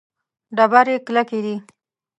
ډبرې کلکې دي.